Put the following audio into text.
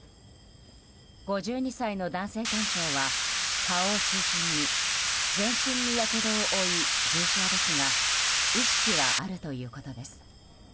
５２歳の男性店長は、顔を中心に全身にやけどを負い重傷ですが意識はあるということです。